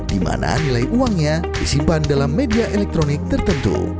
di mana nilai uangnya disimpan dalam media elektronik tertentu